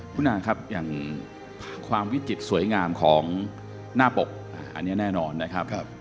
คุณอาครับอย่างความวิจิตรสวยงามของหน้าปกอันนี้แน่นอนนะครับ